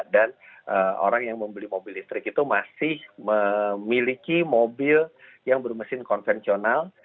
dan orang yang membeli mobil listrik itu masih memiliki mobil yang bermesin konvensional